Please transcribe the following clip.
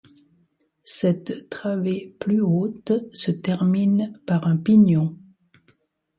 Cette travée plus haute se termine par un pignon.